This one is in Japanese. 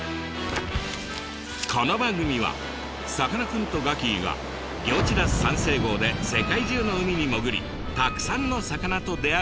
この番組はさかなクンとガキィがギョーチラス三世号で世界中の海に潜りたくさんの魚と出会う「潜れ！